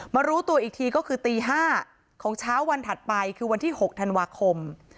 รู้ตัวอีกทีก็คือตี๕ของเช้าวันถัดไปคือวันที่๖ธันวาคม